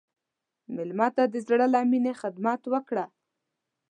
مېلمه ته د زړه له میني خدمت وکړه.